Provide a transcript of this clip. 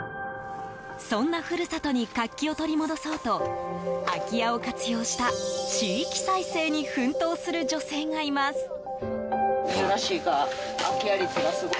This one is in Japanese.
そんな故郷に活気を取り戻そうと空き家を活用した地域再生に奮闘する女性がいます。